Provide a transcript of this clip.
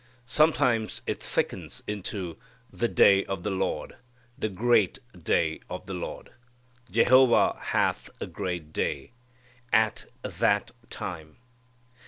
Sometimes it thickens into "the day of the Lord," "the great day of the Lord," "Jehovah hath a great day," "at that time."